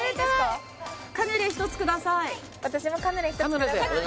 私もカヌレ１つください